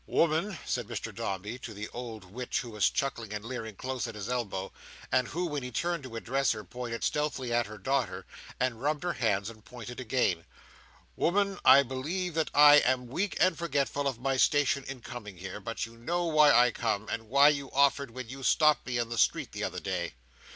"Woman," said Mr Dombey to the old witch who was chuckling and leering close at his elbow, and who, when he turned to address her, pointed stealthily at her daughter, and rubbed her hands, and pointed again, "Woman! I believe that I am weak and forgetful of my station in coming here, but you know why I come, and what you offered when you stopped me in the street the other day.